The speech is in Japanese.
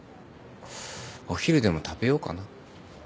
お昼でも食べようかな。